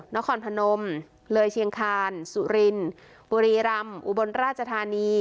นครพนมเลยเชียงคานสุรินบุรีรำอุบลราชธานี